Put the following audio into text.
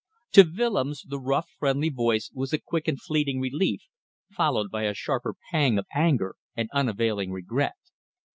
To Willems, the rough, friendly voice was a quick and fleeting relief followed by a sharper pang of anger and unavailing regret.